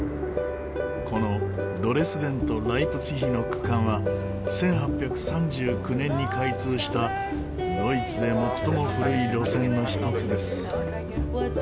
このドレスデンとライプツィヒの区間は１８３９年に開通したドイツで最も古い路線の一つです。